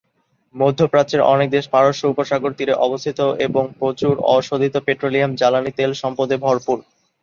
মধ্যপ্রাচ্যের অনেক দেশ পারস্য উপসাগর তীরে অবস্থিত এবং প্রচুর অশোধিত পেট্রোলিয়াম জ্বালানী তেল সম্পদে ভরপুর।